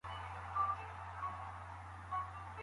که د پلونو وزن زغمل وکتل سي، نو درانه موټر یې نه ماتوي.